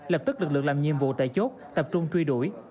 lập tức lực lượng làm nhiệm vụ tại chốt tập trung truy đuổi